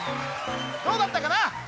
どうだったかな？